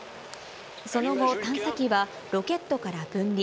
その後、探査機はロケットから分離。